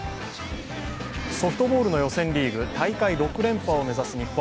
ソフトボールの予選リーグ、大会６連覇を目指す日本。